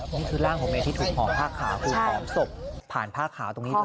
นี่คือร่างของเมย์ที่ถูกห่อผ้าขาวคือหอมศพผ่านผ้าขาวตรงนี้เลย